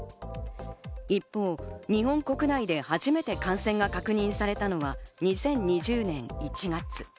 一方、日本国内で初めて感染が確認されたのは２０２０年１月。